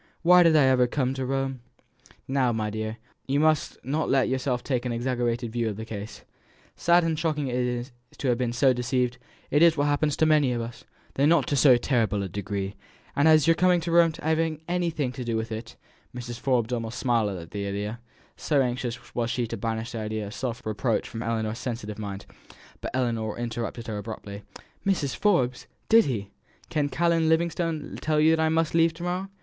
why did I ever come to Rome?" "Now, my dear, you must not let yourself take an exaggerated view of the case. Sad and shocking as it is to have been so deceived, it is what happens to many of us, though not to so terrible a degree; and as to your coming to Rome having anything to do with it " (Mrs. Forbes almost smiled at the idea, so anxious was she to banish the idea of self reproach from Ellinor's sensitive mind, but Ellinor interrupted her abruptly:) "Mrs. Forbes! did he did Canon Livingstone tell you that I must leave to morrow?